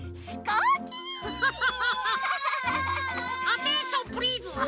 アテンションプリーズは？